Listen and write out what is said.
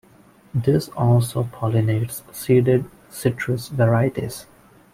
This also pollinates seeded citrus varieties.